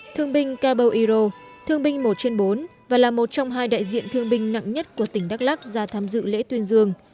thương binh cabo iro thương binh một trên bốn và là một trong hai đại diện thương binh nặng nhất của tỉnh đắk lắc ra tham dự lễ tuyên dương